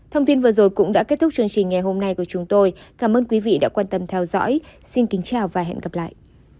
thông tin vừa rồi cũng đã kết thúc chương trình ngày hôm nay của chúng tôi cảm ơn quý vị đã quan tâm theo dõi xin kính chào và hẹn gặp lại